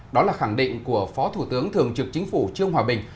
đó là khẳng định của phó thủ tướng thường trực chính phủ trương hòa bình